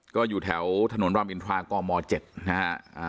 ก็อยู่แถวถนนรามอินทรากม๗นะฮะ